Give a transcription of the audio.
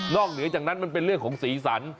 เหนือจากนั้นมันเป็นเรื่องของสีสัน